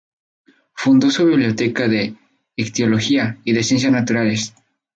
Fundó su biblioteca de Ictiología y de Ciencias Naturales.